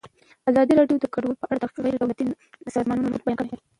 ازادي راډیو د کډوال په اړه د غیر دولتي سازمانونو رول بیان کړی.